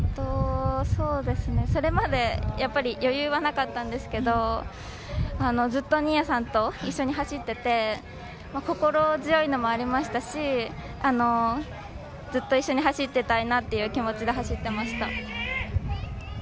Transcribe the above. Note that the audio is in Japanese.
それまでやっぱり余裕がなかったんですけれど、ずっと新谷さんと一緒に走っていて、心強いのもありましたし、ずっと一緒に走ってたいなという気持ちで走っていました。